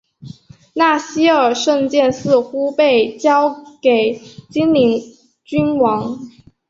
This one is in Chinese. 纳希尔圣剑似乎被交给精灵君王。